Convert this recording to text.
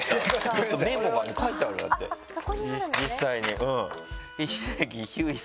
ちょっとメモがね書いてあるんだって実際に。